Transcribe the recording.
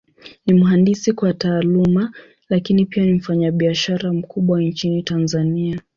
Ni mhandisi kwa Taaluma, Lakini pia ni mfanyabiashara mkubwa Nchini Tanzania.